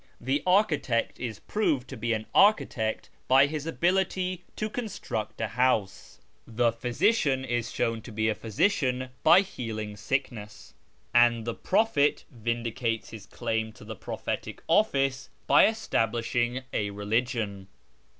The architect is proved to be an architect by his ability to construct a house ; the physician is shown to be a physician by healing sickness ; and the prophet vindicates his claim to the prophetic office by establishing a religion.